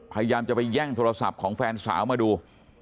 พยายามจะไปแย่งโทรศัพท์ของแฟนสาวมาดู